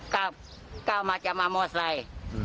ก้าวมาจำฉมอเมาส์ไลด์